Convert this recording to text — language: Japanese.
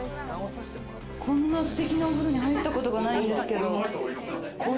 こんなステキなお風呂に入ったことがないんですけど。